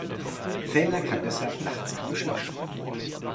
Fellner kann deshalb nachts kaum schlafen.